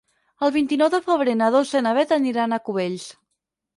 El vint-i-nou de febrer na Dolça i na Beth aniran a Cubells.